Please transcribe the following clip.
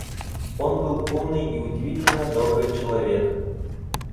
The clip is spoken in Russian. Он был умный и удивительно добрый человек.